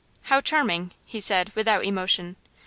"How charming," he said, without emotion.